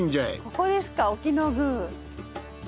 ここですか沖宮。